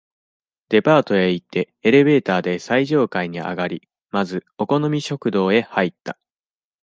デパートへ行って、エレベーターで最上階にあがり、まず、お好み食堂へ入った。